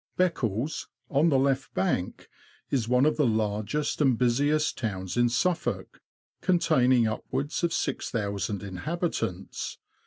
Beccles, on the left bank, is one of the largest and busiest towns in Suffolk, containing upwards of 6,000 inhabitants.